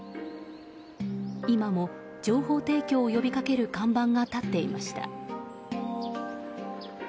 今も、情報提供を呼びかける看板が立っていました。